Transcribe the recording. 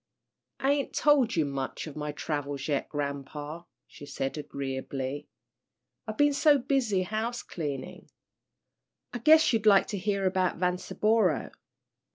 "I ain't told you much of my travels yet, grampa," she said, agreeably. "I've been so busy house cleanin'. I guess you'd like to hear about Vanceboro."